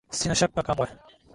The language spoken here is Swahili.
Sina shaka kamwe